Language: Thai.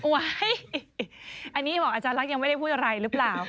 อันนี้บอกอาจารย์ลักษ์ยังไม่ได้พูดอะไรหรือเปล่า